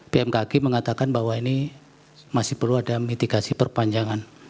bmkg mengatakan bahwa ini masih perlu ada mitigasi perpanjangan